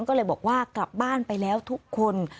ก็เลยบอกว่ากลับบ้านไปแล้วทุกคน